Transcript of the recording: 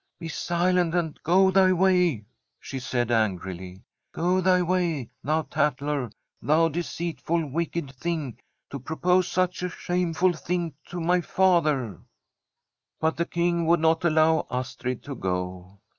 *" Be silent, and go thy way !" she said angrily. " Go thy way, thou tattler, thou deceit ful, wicked thing, to propose such a shameful thing to my father 1 "' But the King would not allow Astrid to go.